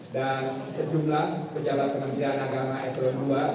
dan sejumlah pejabat kementerian agama slo dua